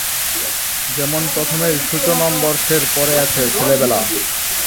যেমন প্রথমেই সূচনম্বরশের পরে আছে 'ছেলেবেলা'।